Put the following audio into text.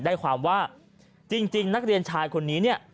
ได้ความว่าจริงนักเรียนชายคนนี้เนี่ย